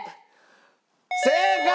正解！